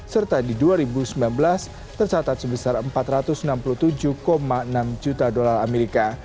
serta di dua ribu sembilan belas tercatat sebesar empat ratus enam puluh tujuh enam juta dolar amerika